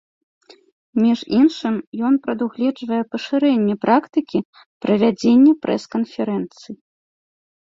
Між іншым ён прадугледжвае пашырэнне практыкі правядзення прэс-канферэнцый.